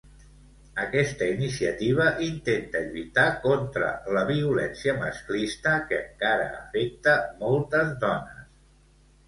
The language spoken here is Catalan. Aquesta iniciativa intenta lluitar contra la violència masclista, que encara afecta moltes dones.